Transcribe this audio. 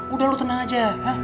udah lu tenang aja